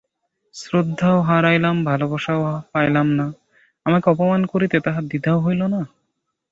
শ্রদ্ধাও হারাইলাম, ভালোবাসাও পাইলাম না, আমাকে অপমান করিতে তাহার দ্বিধাও হইল না?